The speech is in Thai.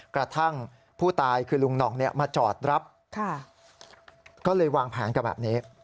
กระทั่งผู้ตายคือลุงหน่องมาจอดรับก็เลยวางแผนกันแบบนี้